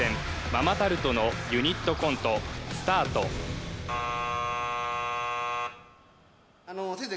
ママタルトのユニットコントスタート先生